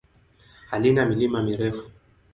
Haina milima mirefu.